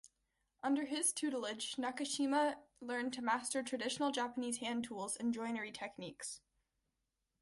Under his tutelage, Nakashima learned to master traditional Japanese hand tools and joinery techniques.